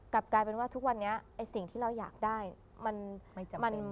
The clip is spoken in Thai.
กลับกลายเป็นว่าทุกวันนี้ไอ้สิ่งที่เราอยากได้มัน